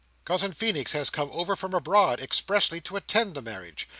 Cousin Feenix has come over from abroad, expressly to attend the marriage.